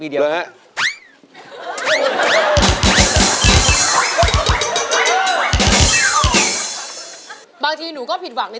เดี๋ยวขออีกที